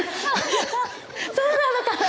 そうなのかな？